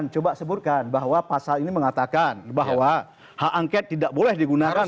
coba sebutkan bahwa pasal ini mengatakan bahwa hak angket tidak boleh digunakan